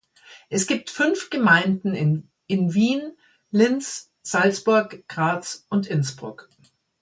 Es gibt fünf Gemeinden, in Wien, Linz, Salzburg, Graz und Innsbruck.